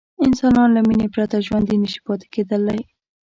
انسانان له مینې پرته ژوندي نه شي پاتې کېدلی.